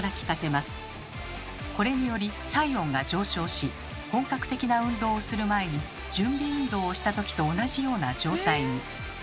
これにより体温が上昇し本格的な運動をする前に準備運動をしたときと同じような状態に。